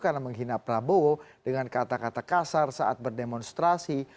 karena menghina prabowo dengan kata kata kasar saat berdemonstrasi